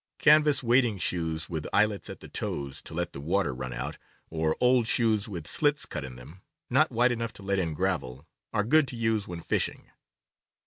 Canvas wading shoes, with eyelets at the toes to let the water run out, or old shoes with slits cut in them (not wide enough to let in gravel), are good to use when fishing.